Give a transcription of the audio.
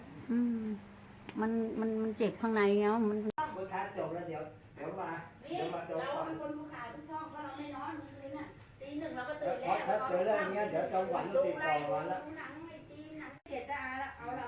หนังไม่ดีหนังเกลียดตาล่ะเอาแล้วล่ะ